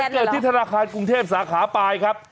เกิดที่ธนาคารกรุงเทพสาขาปลายครับ